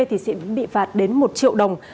thì sẽ bị phạt đến một triệu đồng